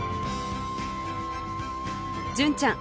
純ちゃん